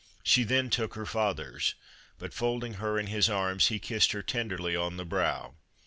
She then took her father's, but folding her in his arms he kissed her tenderly on the brow.